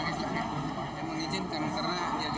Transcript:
dia mengizinkan karena dia juga masih mau